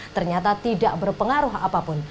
ternyata tidak berpengaruh apapun